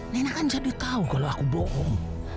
nenek kan jadi tahu kalau aku bohong